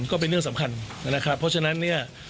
ก็เป็นเรื่องสำคัญนะครับเพราะฉะนั้นเนี่ย